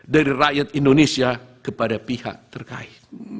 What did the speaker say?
dari rakyat indonesia kepada pihak terkait